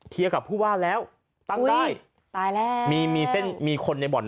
เคลียร์กับผู้บ้านแล้วตั้งได้ตายแล้วมีเส้นมีคนในบ่อน